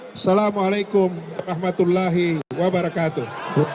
assalamualaikum warahmatullahi wabarakatuh